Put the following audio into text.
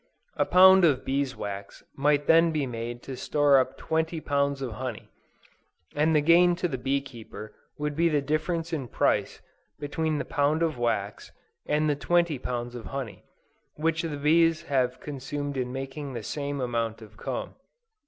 A pound of bees wax might then be made to store up twenty pounds of honey, and the gain to the bee keeper would be the difference in price between the pound of wax, and the twenty pounds of honey, which the bees would have consumed in making the same amount of comb.